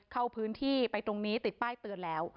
เข้าพื้นที่ไปตรงนี้ติดป้ายเตือนแล้ว